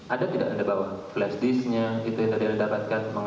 ada tidak anda bawa flash disknya itu yang anda dapatkan